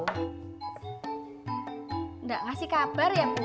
enggak ngasih kabar ya puk